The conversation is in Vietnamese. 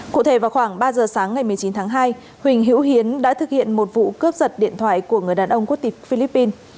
cụ thể vào khoảng ba giờ sáng ngày một mươi chín tháng hai huỳnh hữu hiến đã thực hiện một vụ cướp giật điện thoại của người đàn ông quốc tịch philippines